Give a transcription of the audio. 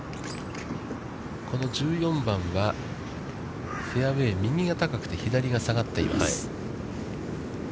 この１４番は、フェアウェイ、右が高くて左が下がっています。